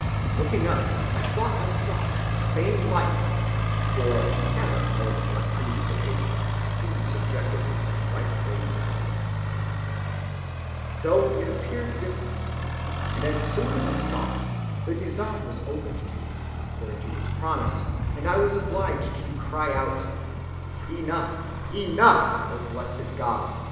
Looking up, I thought I saw that same light [he had on more than one previous occasion seen subjectively a bright blaze of light], though it appeared different; and as soon as I saw it, the design was opened to me, according to his promise, and I was obliged to cry out: Enough, enough, O blessed God!